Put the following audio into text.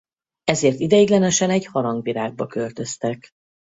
Ezért ideiglenesen egy harangvirágba költöztek.